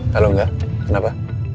kalau enggak kenapa